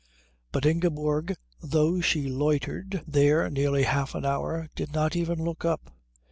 But Ingeborg, though she loitered there nearly half an hour, did not even look up.